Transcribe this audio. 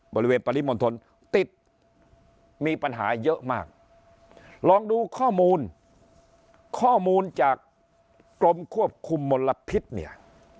ปริมณฑลติดมีปัญหาเยอะมากลองดูข้อมูลข้อมูลจากกรมควบคุมมลพิษเนี่ย